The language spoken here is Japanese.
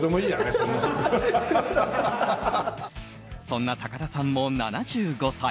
そんな高田さんも７５歳。